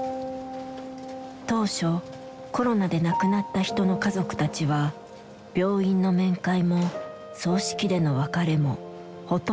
当初コロナで亡くなった人の家族たちは病院の面会も葬式での別れもほとんどできなくなった。